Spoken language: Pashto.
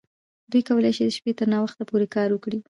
دوی کولی شي د شپې تر ناوخته پورې کار وکړي